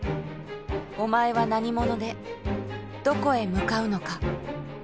おまえは何者でどこへ向かうのか。